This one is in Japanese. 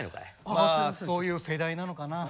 まあそういう世代なのかな。